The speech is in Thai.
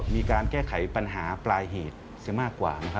มีการแก้ไขปัญหาปลายเหตุเสียมากกว่า